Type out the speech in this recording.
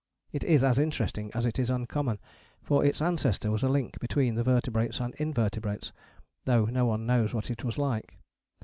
It is as interesting as it is uncommon, for its ancestor was a link between the vertebrates and invertebrates, though no one knows what it was like.